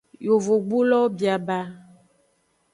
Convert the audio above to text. Yovogbulowo bia ba.